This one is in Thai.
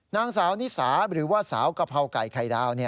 นางสาวนิสาหรือว่าสาวกะเพราไก่ไข่ดาว